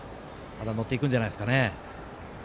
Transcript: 乗っていくんじゃないですかね。